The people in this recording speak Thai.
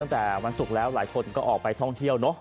ตั้งแต่วันศุกร์แล้วหลายคนก็ออกไปท่องเที่ยวเนอะ